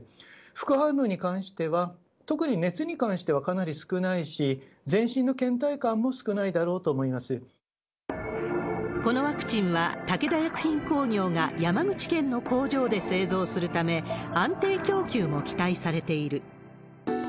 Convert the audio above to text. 副反応に関しては、特に熱に関してはかなり少ないし、全身のけん怠感も少ないだろうとこのワクチンは、武田薬品工業が山口県の工場で製造するため、安定供給も期待されている。